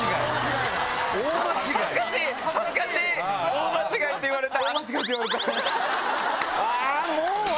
大間違い！って言われた。